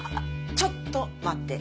ちょっと待って。